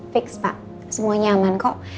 fix pak semuanya aman kok